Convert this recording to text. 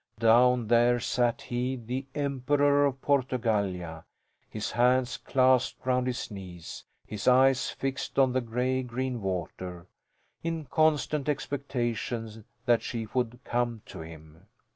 Down there sat he, the Emperor of Portugallia, his hands clasped round his knees, his eyes fixed on the gray green water in constant expectation that she would come to him.